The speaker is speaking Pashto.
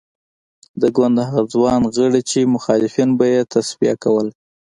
د ګوند هغه ځوان غړي چې مخالفین به یې تصفیه کول.